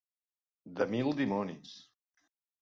De mil dimonis.